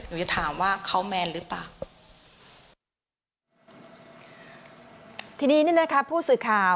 หนูจะถามว่าเขาแมนหรือเปล่า